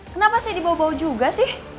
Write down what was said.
kenapa saya dibawa bawa juga sih